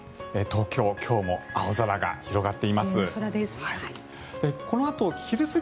東京、今日も青空が広がっています。